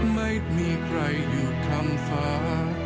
ไม่มีใครอยู่ทำฟ้า